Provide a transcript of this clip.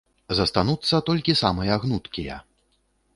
Застануцца толькі самыя гнуткія.